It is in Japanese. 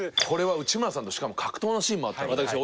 これは内村さんとしかも格闘のシーンもあって。